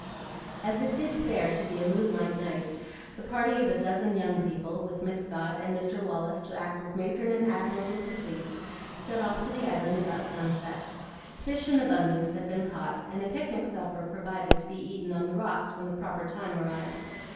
As it bid fair to be a moonlight night, the party of a dozen young people, with Miss Scott and Mr. Wallace to act as matron and admiral of the fleet, set off to the Island about sunset. Fish in abundance had been caught, and a picnic supper provided to be eaten on the rocks when the proper time arrived.